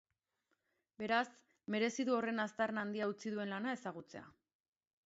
Beraz, merezi du horren aztarna handia utzi duen lana ezagutzea.